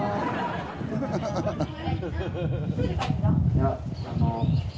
・いやあの。